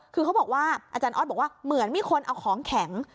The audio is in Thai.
คือเขาบอกว่าอาจารย์ออสบอกว่าเหมือนมีคนเอาของแข็ง